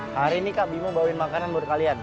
hari ini kak bimo bawain makanan buat kalian